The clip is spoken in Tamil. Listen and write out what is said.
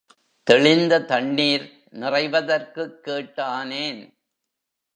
தெளிந்த தண்ணீர் நிறைவதற்குக் கேட்டானேன்.